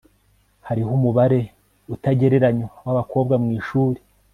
hariho umubare utagereranywa wabakobwa mwishuri